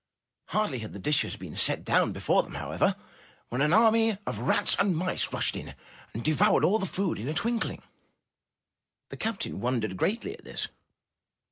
Hardly had the dishes been set down before them, however, when an army of rats and mice rushed in, and devoured all the food in a twinkling. The captain wondered greatly at this.